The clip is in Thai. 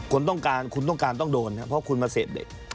คุณต้องการคุณต้องการต้องโดนครับเพราะคุณมาเสพเด็ก